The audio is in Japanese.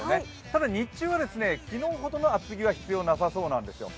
ただ、日中は昨日ほどの厚着は必要なさそうなんですよ。